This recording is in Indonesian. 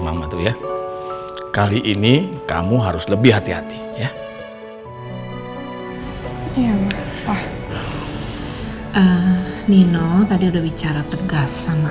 mama tuh ya kali ini kamu harus lebih hati hati ya enggak nino tadi udah bicara tegas sama